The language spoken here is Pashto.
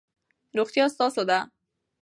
روغتیا ستاسو ده.